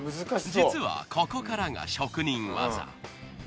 実はここからが職人技。